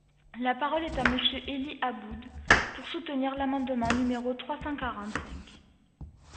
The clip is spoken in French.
La parole est à Monsieur Élie Aboud, pour soutenir l’amendement numéro trois cent quarante-cinq.